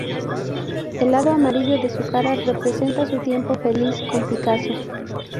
El lado amarillo de su cara representa su tiempo feliz con Picasso.